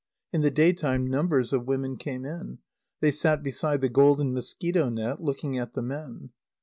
In the day time numbers of women came in. They sat beside the golden mosquito net, looking at the men.